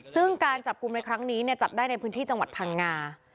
ซึ่งการจับกลุ่มในครั้งนี้จับได้ในพื้นที่จังหวัดพังงา